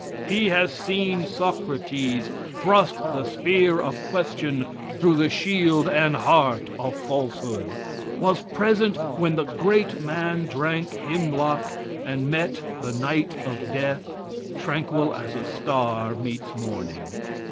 He has seen Socrates thrust the spear of question through the shield and heart of falsehood was present when the great man drank hemlock and met the night of death tranquil as a star meets morning.